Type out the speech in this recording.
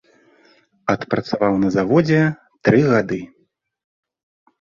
Адпрацаваў на заводзе тры гады.